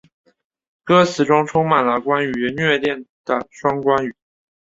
歌词中充满了关于虐恋的双关语。